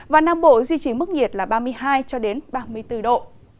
và nam bộ duy trì mức nhiệt là ba mươi hai ba mươi bốn độ